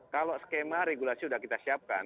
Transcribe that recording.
kalau skema regulasi sudah kita siapkan